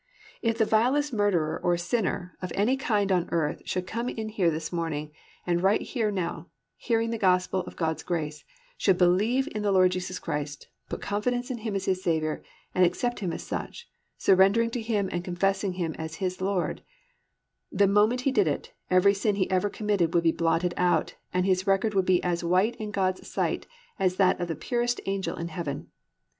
"+ If the vilest murderer or sinner of any kind on earth should come in here this morning and right here now, hearing the gospel of God's grace, should believe in the Lord Jesus Christ, put confidence in Him as his Saviour, and accept Him as such, surrendering to Him and confessing Him as His Lord, the moment he did it every sin he ever committed would be blotted out and his record would be as white in God's sight as that of the purest angel in heaven.